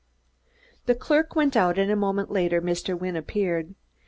The clerk went out and a moment later Mr. Wynne appeared.